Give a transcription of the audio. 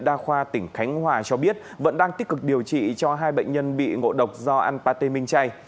đa khoa tỉnh khánh hòa cho biết vẫn đang tích cực điều trị cho hai bệnh nhân bị ngộ độc do ăn pate minh chay